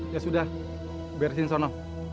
ya sudah biarin disana